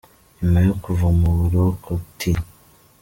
Nyuma yo kuva mu buroko T.